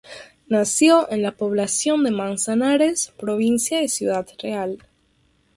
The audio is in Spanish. Nació en la población de Manzanares, provincia de Ciudad Real.